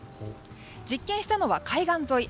実験したのは海岸沿い。